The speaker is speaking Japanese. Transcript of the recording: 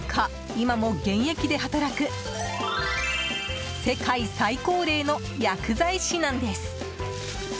今も現役で働く世界最高齢の薬剤師なんです。